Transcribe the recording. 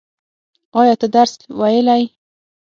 ایا ته درس ویلی؟